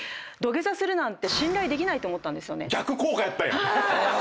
逆効果やったんや。